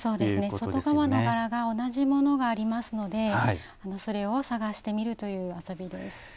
外側の柄が同じものがありますのでそれを探してみるという遊びです。